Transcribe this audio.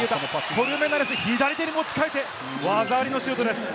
コルメナレス、左手に持ち替えて技ありのシュートです。